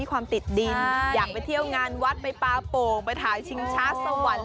ความติดดินอยากไปเที่ยวงานวัดไปปลาโป่งไปถ่ายชิงช้าสวรรค์